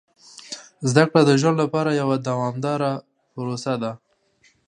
زده کړه د ژوند لپاره یوه دوامداره پروسه ده.